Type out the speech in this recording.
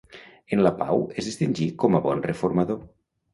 En la pau es distingí com a bon reformador.